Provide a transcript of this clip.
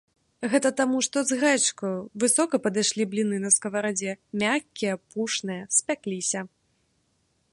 Гэта таму, што з грэчкаю, высока падышлі бліны на скаварадзе, мяккія, пушныя спякліся.